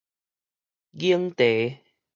研茶